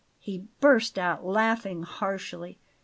He burst out laughing harshly.